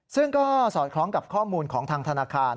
ซึ่งก็สอดคล้องกับข้อมูลของทางธนาคาร